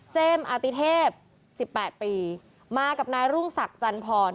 เจมส์อาติเทพสิบแปดปีมากับนายรุ่งศักดิ์จันทร์พร